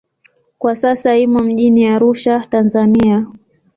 Kwa sasa imo mjini Arusha, Tanzania.